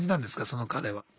その彼は。